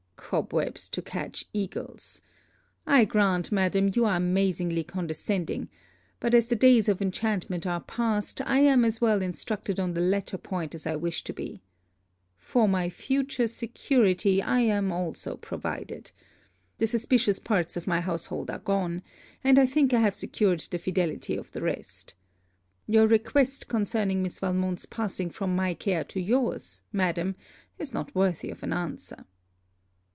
'Cobwebs to catch eagles! I grant, madam, you are amazingly condescending; but as the days of enchantment are passed, I am as well instructed on the latter point as I wish to be. For my future security, I am also provided. The suspicious part of my household are gone; and I think I have secured the fidelity of the rest. Your request concerning Miss Valmont's passing from my care to your's madam, is not worthy of an answer.'